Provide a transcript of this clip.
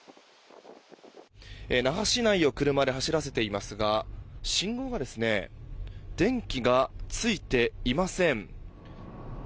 那覇市内を車で走らせていますが信号が電気がついていません。